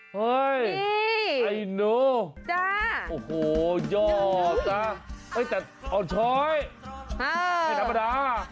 เฮ่ยไอ้หนูโอ้โฮยอดจ้ะแต่อ่อนช้อยไม่ธรรมดา